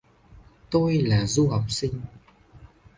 tôi là du học sinh